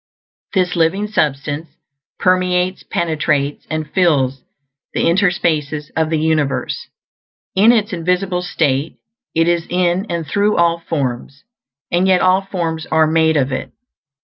This Living Substance permeates, penetrates, and fills the interspaces of the universe. In its invisible state it is in and through all forms; and yet all forms are made of it.